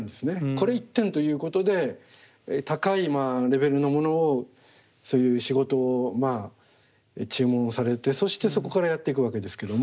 これ１点ということで高いレベルのものをそういう仕事を注文されてそしてそこからやっていくわけですけども。